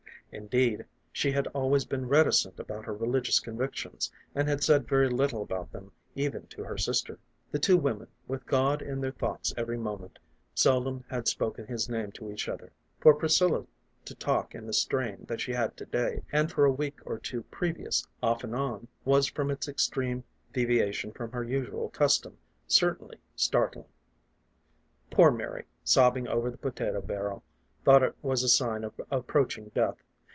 Indeed, she had always been reticent about her religious convictions, and had said very little about them even to her sister. The two women, with God in their thoughts every mo ment, seldom had spoken his name to each other. For Pris cilla to talk in the strain that she had to day, and for a week or two previous, off and on, was, from its extreme de viation from her usual custom, certainly startling. Poor Mary, sobbing over the potato barrel, thought it was a sign of approaching death.